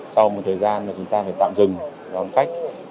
sau một thời gian chúng ta phải tạm dừng gón khách